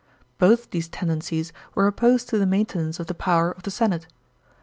Both these tendencies were opposed to the maintenance of the power of the senate.